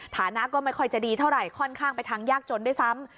ฐานะก็ไม่ค่อยจะดีเท่าไหร่ค่อนข้างไปทางยากจนด้วยซ้ำ